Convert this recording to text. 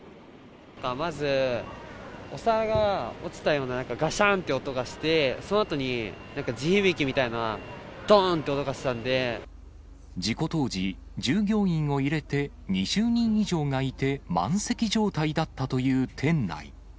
まずお皿が落ちたような、なんかがしゃんって音がして、そのあとに地響きみたいなどーん事故当時、従業員を入れて２０人以上がいて、満席状態だったという店内。